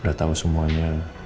udah tahu semuanya